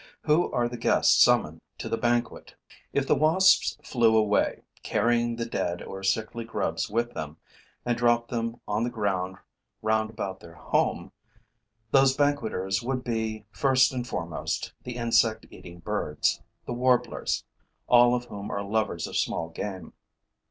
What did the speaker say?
Who are the guests summoned to the banquet? If the wasps flew away, carrying the dead or sickly grubs with them, and dropped them on the ground round about their home, those banqueters would be, first and foremost, the insect eating birds, the warblers, all of whom are lovers of small game.